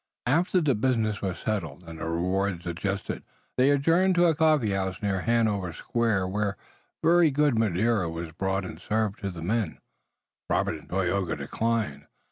After the business was settled and the rewards adjusted they adjourned to a coffee house near Hanover Square where very good Madeira was brought and served to the men, Robert and Tayoga declining.